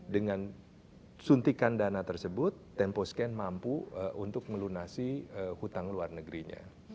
dengan suntikan dana tersebut temposcan mampu untuk melunasi hutang luar negerinya